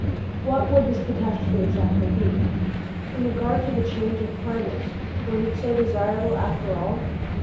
What would this catastrophe exactly be? In regard to the change of climates, was it so desirable after all?